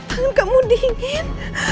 tangan kamu dingin